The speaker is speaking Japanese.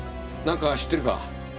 なんか知ってるか？